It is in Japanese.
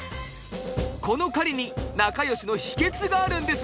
この狩りに仲よしの秘けつがあるんです！